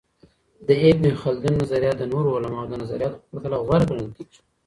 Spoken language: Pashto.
د ابن خلدون نظریات د نورو علماؤ د نظریاتو په پرتله غوره ګڼل کيږي.